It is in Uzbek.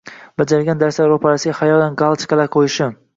bajarilgan darslar ro‘parasiga xayolan galochkalar qo‘yishi